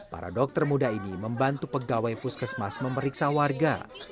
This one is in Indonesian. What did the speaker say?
para dokter muda ini membantu pegawai puskesmas memeriksa warga